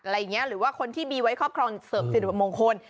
อะไรอย่างเงี้ยหรือว่าคนที่มีไว้ครอบครองเสริมศิลป์มงคล